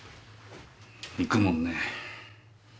行くもんね。